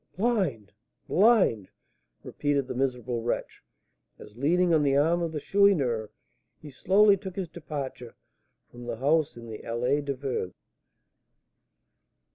Blind! blind!" repeated the miserable wretch, as, leaning on the arm of the Chourineur, he slowly took his departure from the house in the Allée des Veuves.